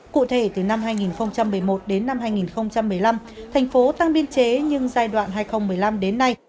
cụ thể từ năm hai nghìn một mươi một đến năm hai nghìn một mươi năm thành phố tăng biên chế nhưng giai đoạn hai nghìn một mươi năm đến nay